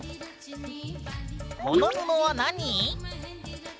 この布は何？